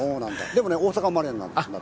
でもね大阪生まれなんだよ。